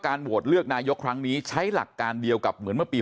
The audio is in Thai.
โหวตเลือกนายกครั้งนี้ใช้หลักการเดียวกับเหมือนเมื่อปี๒๕